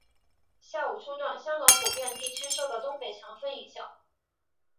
下午初段香港普遍地区受到东北强风影响。